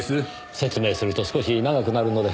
説明すると少し長くなるので。